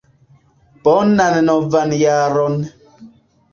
Bonan novan jaron!